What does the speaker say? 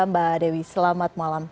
mbak dewi selamat malam